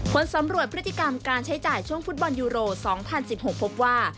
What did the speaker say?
ผลสำรวจพฤติกรรมการใช้จ่ายช่วงฟุตบอลยูโร๒๐๑๖พบว่า